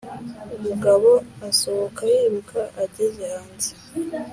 umugabo asohoka yiruka ageze hanze